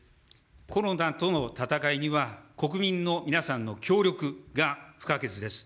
コロナとの闘いには、国民の皆さんの協力が不可欠です。